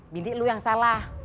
bini lu yang salah